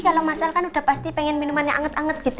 kalau masal kan udah pasti pengen minumannya anget anget gitu